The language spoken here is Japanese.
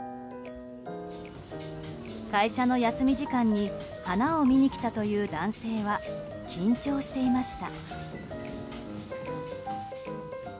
会社の休み時間に花を見に来たという男性は緊張していました。